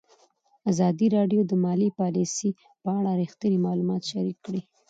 ازادي راډیو د مالي پالیسي په اړه رښتیني معلومات شریک کړي.